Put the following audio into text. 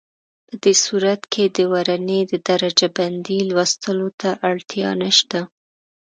په دې صورت کې د ورنيې د درجه بندۍ لوستلو ته اړتیا نشته.